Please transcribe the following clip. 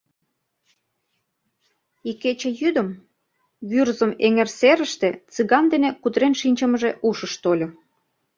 Икече йӱдым Вӱрзым эҥер серыште Цыган дене кутырен шинчымыже ушыш тольо.